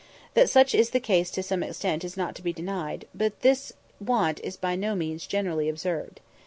That such is the case to some extent is not to be denied; but this want is by no means generally observed.